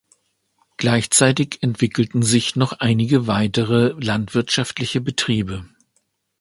Gleichzeitig entwickelten sich noch einige weitere landwirtschaftliche Betriebe.